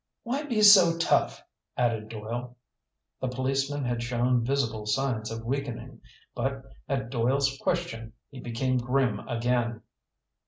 "Why be so tough?" added Doyle. The policeman had shown visible signs of weakening. But at Doyle's question, he became grim again.